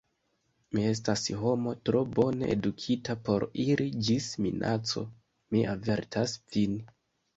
Mi estas homo tro bone edukita por iri ĝis minaco: mi avertas vin.